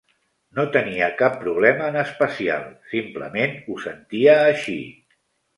No tenia cap problema en especial, simplement ho sentia així.